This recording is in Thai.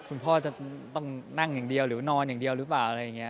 คุณพ่อจะต้องนั่งอย่างเดียวหรือนอนอย่างเดียวหรือเปล่า